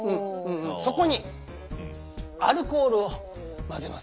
そこにアルコールを混ぜます。